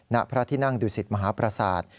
ณพระทินั่งดุสิตมหาปราศาสตร์